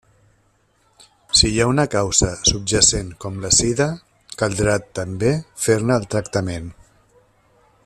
Si hi ha una causa subjacent com la sida, caldrà també fer-ne el tractament.